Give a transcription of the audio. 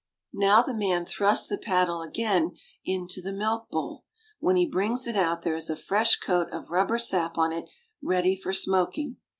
Now the man thrusts the paddle again into the milk bowl. When he brings it out there is a fresh coat of rubber sap on it ready for smoking.